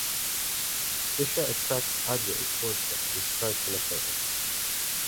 Isha attracts Ajay towards her and starts an affair.